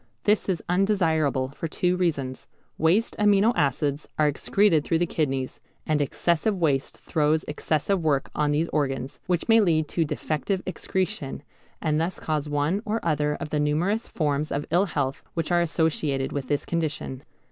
This is undesirable for two reasons. Waste amino acids are excreted through the kidneys, and excessive waste throws excessive work on these organs, which may lead to defective excretion, and thus cause one or other of the numerous forms of ill health which are associated with this condition.